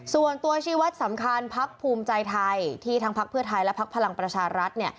ส่วนตัวชีวัตรสำคัญพักภูมิใจไทยที่ทั้งพักเพื่อไทยและพักพลังประชารัฐ